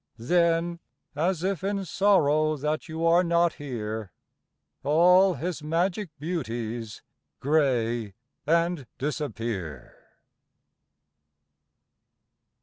Then, as if in sorrow That you are not here, All his magic beauties Gray and disappear.